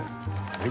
はい。